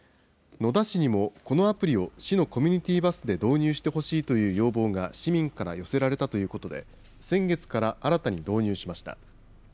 野田市にも、このアプリを市のコミュニティバスで導入してほしいという要望が市民から寄せられたということで、先月から新たに導入しました。